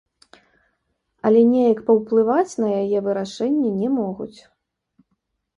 Але неяк паўплываць на яе вырашэнне не могуць.